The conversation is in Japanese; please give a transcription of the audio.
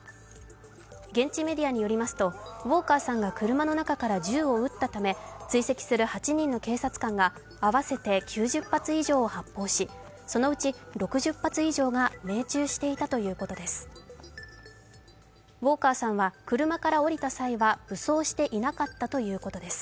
現地メディアによりますとウォーカーさんが車の中から銃を撃ったため追跡する８人の警察官が、合わせて９０発以上を発砲しそのうち６０発以上が命中していたということです。